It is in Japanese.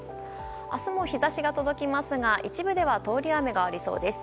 明日も日差しが届きますが一部では通り雨がありそうです。